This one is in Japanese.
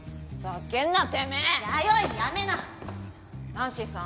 ナンシーさん。